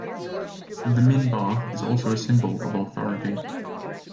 The minbar is also a symbol of authority.